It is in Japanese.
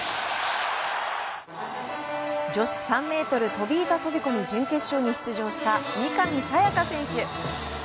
女子３ｍ飛板飛込準決勝に出場した三上紗也可選手。